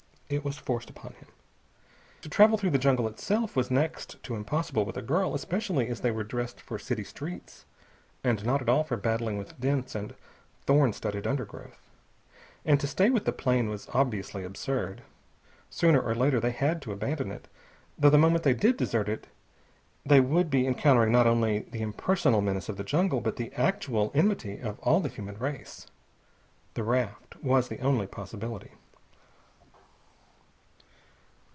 It was forced upon him. To travel through the jungle itself was next to impossible with a girl, especially as they were dressed for city streets and not at all for battling with dense and thorn studded undergrowth. And to stay with the plane was obviously absurd. Sooner or later they had to abandon it, though the moment they did desert it they would be encountering not only the impersonal menace of the jungle, but the actual enmity of all the human race. The raft was the only possibility.